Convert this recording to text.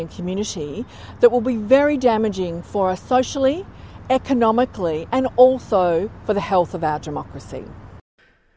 yang akan sangat menakutkan untuk kita secara sosial ekonomis dan juga untuk kesehatan demokrasi kita